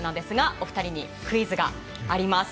お二人にクイズがあります。